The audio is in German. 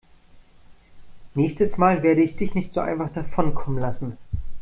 Nächstes Mal werde ich dich nicht so einfach davonkommen lassen.